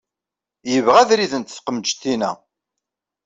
Yebɣa ad rident teqmejtin-a.